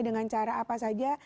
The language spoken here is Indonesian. dengan cara apa saja